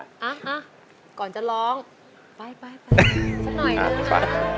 ก่อนจะร้องไปสักหน่อยเลยนะครับ